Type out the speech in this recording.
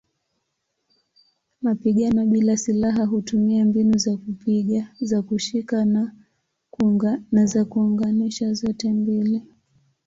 Mapigano bila silaha hutumia mbinu za kupiga, za kushika na za kuunganisha zote mbili.